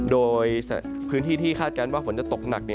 โดยพื้นที่ที่คาดการณ์ว่าฝนจะตกหนัก